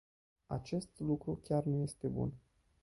Acest lucru chiar nu este bun.